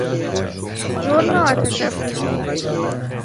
جرم آتش افروزی